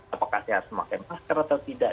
apakah sehat memakai masker atau tidak